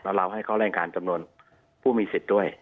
แล้วเราให้เขาแรงการจำนวนผู้มีสิทธิ์ด้วย